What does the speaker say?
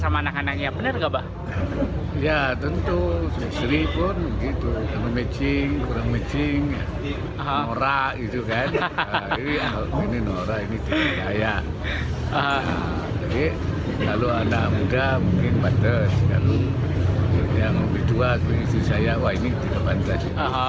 ma'ruf amin pada segalanya yang kedua itu saya wah ini tidak pantas